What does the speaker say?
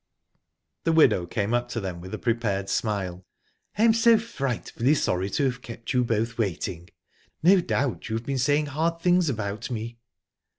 The widow came up to them with a prepared smile. "I'm so frightfully sorry to have kept you both waiting. No doubt you've been saying hard things about me?"